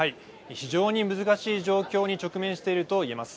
非常に難しい状況に直面していると言えます。